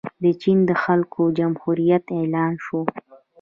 د چین د خلکو جمهوریت اعلان شو.